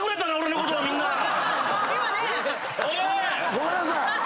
ごめんなさい。